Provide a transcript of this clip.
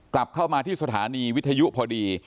กลับเข้ามาที่สถานีวิทยุพอดี